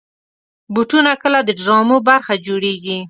بوټونه کله د ډرامو برخه جوړېږي.